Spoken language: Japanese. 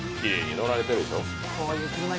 きれいに乗られてるでしょう。